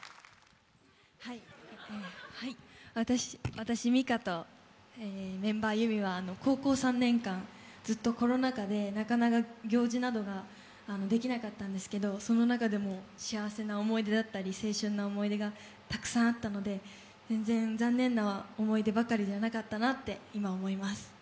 私ミカとメンバー、ユミは高校３年間ずっとコロナ禍でなかなか行事などができなかったんですけどその中でも幸せな思い出だったり青春の思い出がたくさんあったので全然残念な思いでばかりじゃなかったなって今思います。